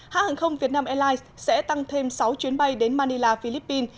hãng hàng không việt nam airlines sẽ tăng thêm sáu chuyến bay đến manila philippines